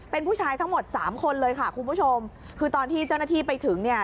เป็นผู้ชายทั้งหมดสามคนเลยค่ะคุณผู้ชมคือตอนที่เจ้าหน้าที่ไปถึงเนี่ย